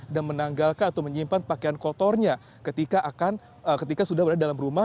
dan menanggalkan atau menyimpan pakaian kotornya ketika sudah berada dalam rumah